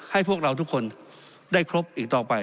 ให้พวกเราทุกคนได้ครบอีกต่อไป